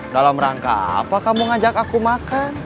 dalam rangka apa kamu ngajak aku makan